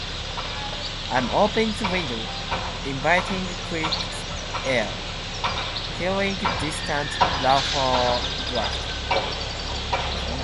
I'm opening the window, inviting crisp air, hearing distant laughter drift.